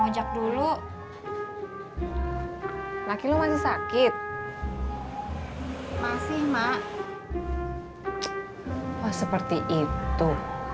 ngonjak dulu laki laki sakit masih mak seperti itu